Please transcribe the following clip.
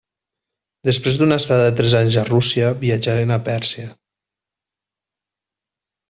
Després d'una estada de tres anys a Rússia, viatjaren a Pèrsia.